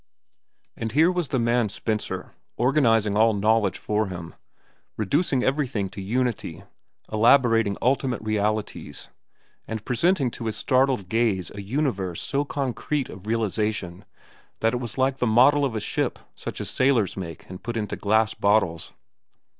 And here was the man Spencer, organizing all knowledge for him, reducing everything to unity, elaborating ultimate realities, and presenting to his startled gaze a universe so concrete of realization that it was like the model of a ship such as sailors make and put into glass bottles.